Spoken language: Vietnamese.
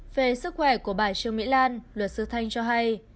về sức khỏe của bà trương mỹ lan luật sư thanh cho hay